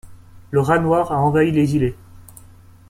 Le rat noir a envahi les îlets.